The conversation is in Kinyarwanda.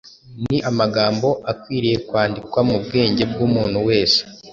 Ni amagambo akwiriye kwandikwa mu bwenge bw’umuntu wese